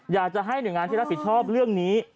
อยากจะให้หน่วยงานที่รับผิดชอบเรื่องนี้